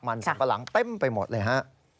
มันสัมปะหลังเต็มไปหมดเลยฮะ